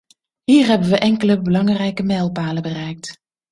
Hier hebben we enkele belangrijke mijlpalen bereikt.